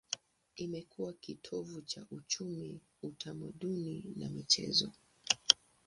Imekuwa kitovu cha uchumi, utamaduni na michezo.